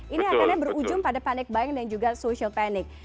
ini akhirnya berujung pada panic buying dan juga social panic